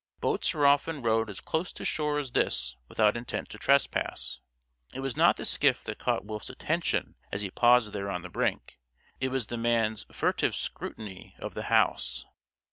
Boats were often rowed as close to shore as this without intent to trespass. It was not the skiff that caught Wolf's attention as he paused there on the brink, it was the man's furtive scrutiny of the house.